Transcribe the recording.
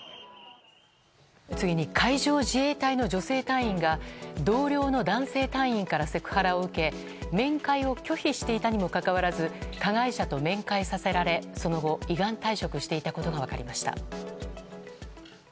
次に海上自衛隊の女性隊員が同僚の男性隊員からセクハラを受け面会を拒否していたにもかかわらず加害者と面会させられ、その後依願退職していたことが分かりました。